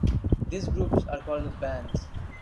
These groups are called bands.